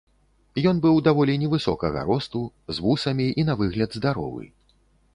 Ён быў даволі невысокага росту, з вусамі і на выгляд здаровы.